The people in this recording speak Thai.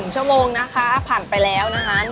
๑ชั่วโมงนะคะผ่านไปแล้วนะคะ